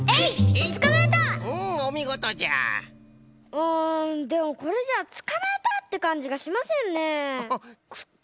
あでもこれじゃあつかまえたってかんじがしませんね。